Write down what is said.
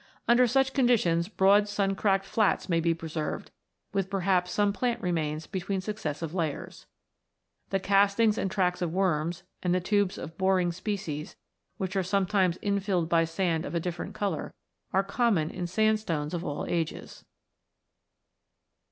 Under such conditions, broad sun cracked flats may be preserved, with perhaps some plant remains between successive layers (as &;*). The castings and tracks of worms, and the tubes of boring species, which are sometimes infilled by sand of a different colour, are common in sandstones of all ages.